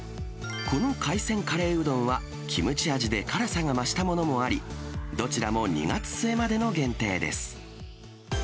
この海鮮カレーうどんは、キムチ味で辛さが増したものもあり、どちらも２月末までの限定です。